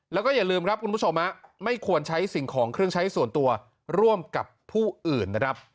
แล้วก็อย่าลืมครับคุณผู้ชมไม่ควรใช้สิ่งของเครื่องใช้ส่วนตัวร่วมกับผู้อื่นนะครับ